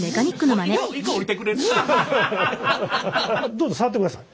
どうぞ触ってください。